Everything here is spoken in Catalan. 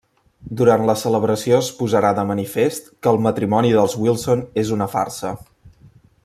Durant la celebració es posarà de manifest que el matrimoni dels Wilson és una farsa.